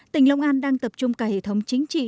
tỉnh long an đang tập trung cả hệ thống chính trị